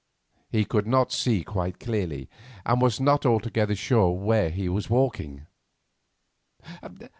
He could not see quite clearly, and was not altogether sure where he was walking.